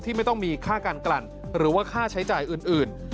ไม่ต้องมีค่าการกลั่นหรือว่าค่าใช้จ่ายอื่น